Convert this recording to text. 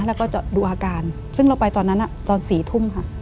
แล้วก็จะดูอาการซึ่งเราไปตอนนั้นตอน๔ทุ่มค่ะ